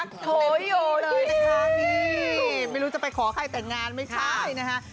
ไม่รู้ถึงจะไปขอใครแต่งงานไม่ช้า